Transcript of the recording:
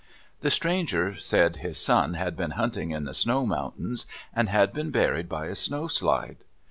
The stranger said his son had been hunting in the snow mountains and had been buried by a snowslide.